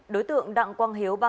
đối tượng đặng quang hiếu